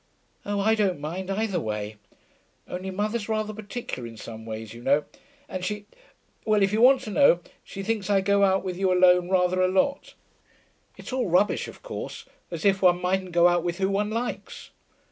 'Oh, I don't mind either way. Only mother's rather particular in some ways, you know, and she ... well, if you want to know, she thinks I go out with you alone rather a lot. It's all rubbish, of course; as if one mightn't go out with who one likes